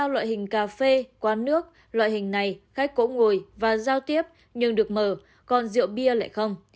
ba loại hình cà phê quán nước loại hình này khách cỗ ngồi và giao tiếp nhưng được mở còn rượu bia lại không